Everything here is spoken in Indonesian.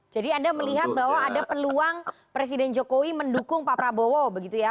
jadi anda melihat bahwa ada peluang presiden jokowi mendukung pak prabowo begitu ya